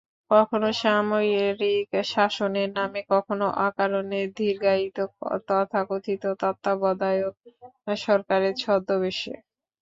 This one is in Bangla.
কখনো সামরিক শাসনের নামে, কখনো অকারণে দীর্ঘায়িত তথাকথিত তত্ত্বাবধায়ক সরকারের ছদ্মবেশে।